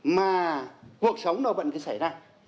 mà cuộc sống nó vẫn cứ xảy ra